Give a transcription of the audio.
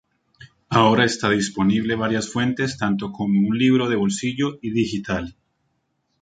Ahora está disponible varias fuentes tanto como un libro de bolsillo y digital.